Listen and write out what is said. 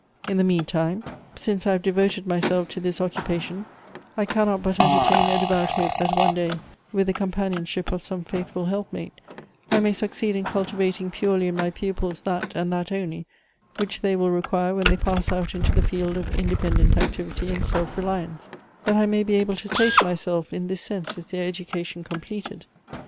"In the meantime, since I have devoted myself to this occupation, I cannot but entertain a devout hope that one day, with the companionship of some faithful helpmate, I may succeed in cultivating purely in my pupils that, and that only, which they will require when they pass out into the field of independent activity and self reliance ; that I may be able to say to myself, in this sense is their education completed.